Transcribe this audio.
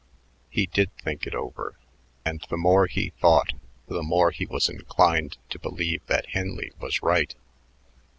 He did think it over, and the more he thought the more he was inclined to believe that Henley was right.